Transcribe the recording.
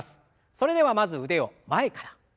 それではまず腕を前から。